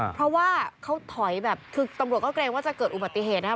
เพราะว่าเขาถอยแบบคือตำรวจก็เกรงว่าจะเกิดอุบัติเหตุนะครับ